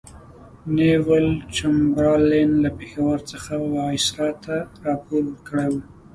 نیویل چمبرلین له پېښور څخه وایسرا ته راپور ورکړی وو.